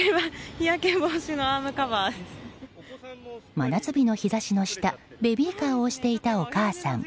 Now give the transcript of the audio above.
真夏日の日差しの下ベビーカーを押していたお母さん。